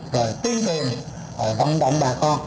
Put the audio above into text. rồi tiên tiền văn động bà con